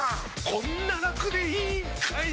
こんなラクでいいんかい！